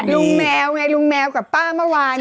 แมวไงลุงแมวกับป้าเมื่อวาน